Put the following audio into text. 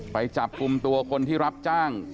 ไปจับกลุ่มตัวคนที่รับจ้าง